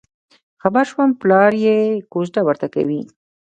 خبر شوم پلار یې کوزده ورته کوي.